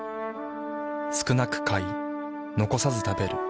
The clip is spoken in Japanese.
少なく買い残さず食べる。